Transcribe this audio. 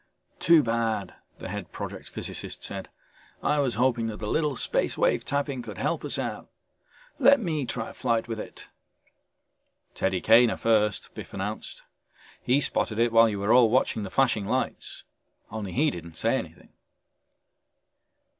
"Too bad," the head project physicist said, "I was hoping that a little Space Wave Tapping could help us out. Let me try a flight with it." "Teddy Kaner first," Biff announced. "He spotted it while you were all watching the flashing lights, only he didn't say anything."